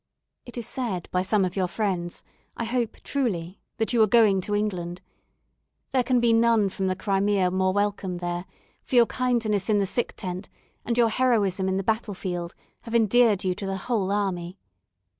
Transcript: It is said by some of your friends, I hope truly, that you are going to England. There can be none from the Crimea more welcome there, for your kindness in the sick tent, and your heroism in the battle field, have endeared you to the whole army.